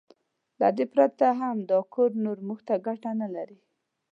له دې پرته هم دا کور نور موږ ته ګټه نه لري.